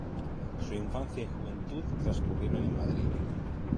Su infancia y juventud transcurrieron en Madrid.